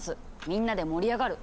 みんなで盛り上がる。